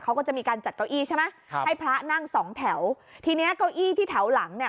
เขาก็จะมีการจัดเก้าอี้ใช่ไหมครับให้พระนั่งสองแถวทีเนี้ยเก้าอี้ที่แถวหลังเนี่ย